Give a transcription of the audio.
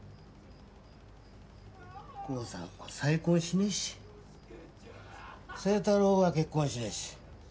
航さんも再婚しねえし星太郎は結婚しねえし。